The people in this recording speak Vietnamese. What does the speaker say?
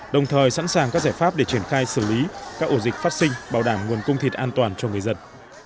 đồng thời sẵn sàng các giải pháp để triển khai xử lý các ổ dịch phát sinh bảo đảm nguồn cung thịt an toàn cho người dân